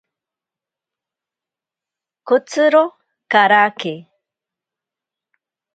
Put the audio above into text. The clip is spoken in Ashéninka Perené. Kotsiro karake.